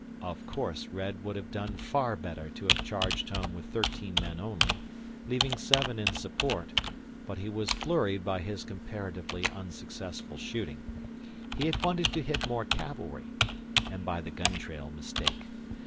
Of course Red would have done far better to have charged home with thirteen men only, leaving seven in support, but he was flurried by his comparatively unsuccessful shooting he had wanted to hit more cavalry and by the gun trail mistake.